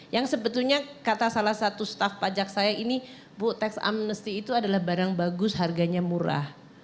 yang sebetulnya kata salah satu staf pajak saya ini bu tax amnesty itu adalah barang bagus harganya murah